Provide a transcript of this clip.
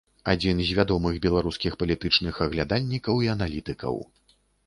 Адзін з вядомых беларускіх палітычных аглядальнікаў і аналітыкаў.